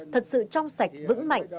thật sự trong sạch vững mạnh